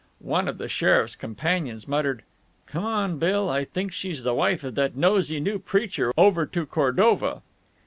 One of the sheriff's companions muttered: "Come on, Bill. I think she's the wife of that nosey new preacher over to Cordova."